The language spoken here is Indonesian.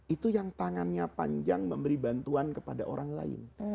itu yang tangannya panjang memberi bantuan kepada orang lain